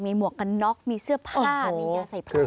หมวกกันน็อกมีเสื้อผ้ามียาใส่แผล